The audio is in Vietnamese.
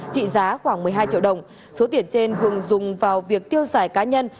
trị giá khoảng một mươi hai triệu đồng số tiền trên hùng dùng vào việc tiêu xài cá nhân